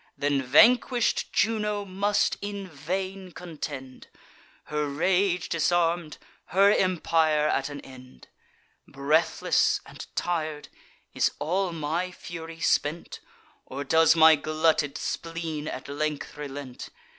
Then vanquish'd Juno must in vain contend, Her rage disarm'd, her empire at an end. Breathless and tir'd, is all my fury spent? Or does my glutted spleen at length relent?